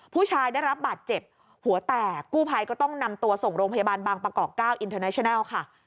ได้รับบาดเจ็บหัวแตกกู้ภัยก็ต้องนำตัวส่งโรงพยาบาลบางประกอบเก้าอินเทอร์เนชนัลค่ะ